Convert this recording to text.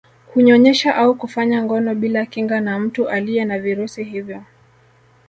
kunyonyesha au kufanya ngono bila kinga na mtu aliye na virusi hivyo